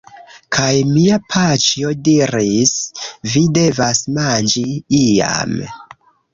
Kaj mia paĉjo diris: "Vi devas manĝi iam!"